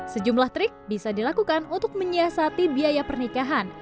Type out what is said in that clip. sejumlah trik bisa dilakukan untuk menyiasati biaya pernikahan